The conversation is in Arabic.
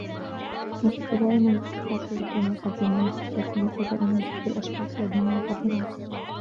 نحب دائما الأشخاص الذين يقدرونا, لكن ليس دائما نحب الأشخاص الذين نقدرهم.